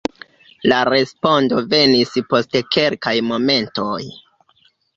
La respondo venis post kelkaj momentoj: